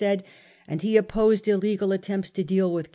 said, and lie opposed illegal attempts to deal with.